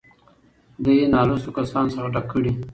دې نـالـوسـتو کسـانـو څـخـه ډک کـړي.